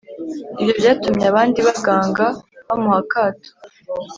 Ibyo byatumye abandi baganga bamuha akato